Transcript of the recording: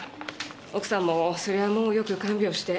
奥さんもそれはもうよく看病して。